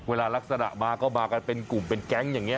ลักษณะมาก็มากันเป็นกลุ่มเป็นแก๊งอย่างนี้